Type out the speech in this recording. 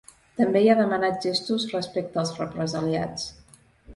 També hi ha demanat gestos respecte als represaliats.